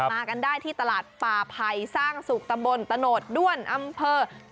มากันได้ที่ตลาดป่าไผ่สร้างสุขตำบลตะโนดด้วนอำเภอ